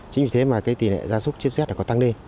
chính vì thế mà cái tỷ lệ gia súc chất z đã có tăng lên